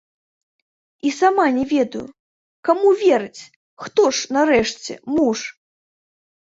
І сама не ведаю, каму верыць, хто ж, нарэшце, муж?